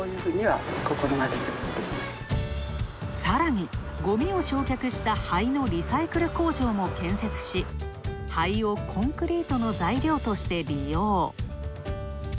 さらに、ゴミを焼却した灰のリサイクル工場も建設し灰をコンクリートの材料として利用。